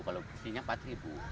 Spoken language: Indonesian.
kalau bersihnya empat ribu